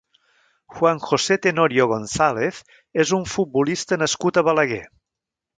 Juan José Tenorio González és un futbolista nascut a Balaguer.